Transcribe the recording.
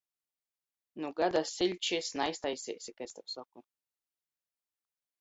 Nu gada siļčis naiztaiseisi, ka es tev soku.